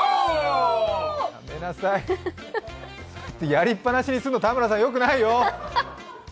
やりっぱなしにするの、田村さん、よくないよ！